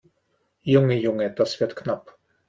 Junge, Junge, das war knapp!